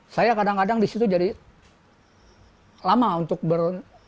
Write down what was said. saya kadang kadang disitu jadi lama untuk ber